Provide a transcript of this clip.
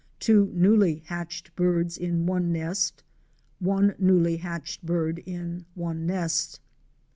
2 newly hatched birds in I nest. 1 newly hatched bird in I nest.